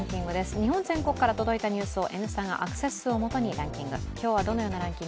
日本全国から届いたニュースを「Ｎスタ」がアクセス数をもとにランキング。